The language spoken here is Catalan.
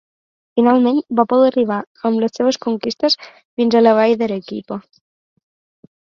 Finalment, va poder arribar amb les seves conquistes fins a la vall d'Arequipa.